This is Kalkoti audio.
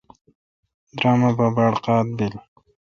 درم اے° پہ باڑ قاد بل۔